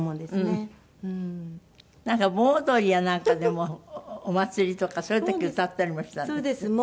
なんか盆踊りやなんかでもお祭りとかそういう時歌ったりもしたんですって？